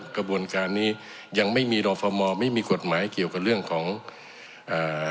กระบวนการนี้ยังไม่มีรอฟอร์มอลไม่มีกฎหมายเกี่ยวกับเรื่องของอ่า